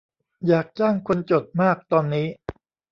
อยากจ้างคนจด มากตอนนี้